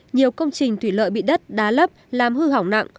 nhiều công trình thủy lợi bị đất đá lấp làm hư hỏng nặng